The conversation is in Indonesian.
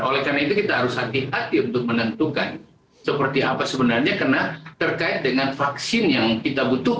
oleh karena itu kita harus hati hati untuk menentukan seperti apa sebenarnya karena terkait dengan vaksin yang kita butuhkan